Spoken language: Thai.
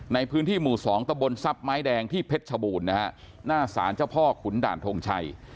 ในพื้นที่หมู่๒ตะบนทรัพย์ไม้แดงที่เพชรชบูรณ์นะฮะหน้าศาลเจ้าพ่อขุนด่านทงชัย